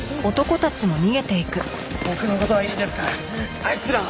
僕の事はいいですからあいつらを。